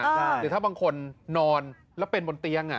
หรือถ้าบางคนนอนแล้วเป็นบนเตียง